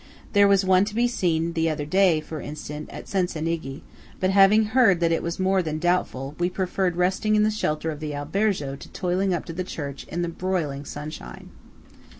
There was one to be seen the other day, for instance, at Cencenighe; but having heard that it was more than doubtful, we preferred resting in the shelter of the albergo to toiling up to the church in the broiling sunshine.